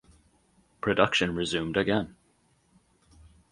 Production resumed again.